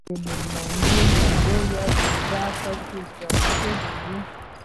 د ميلمنو يوه لويه کوټه پکښې زياته سوې وه.